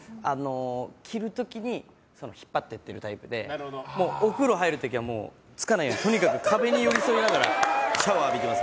着る時に引っ張ってってるタイプでお風呂入る時はつかないようにとにかく壁に寄り添いながらシャワー浴びてます。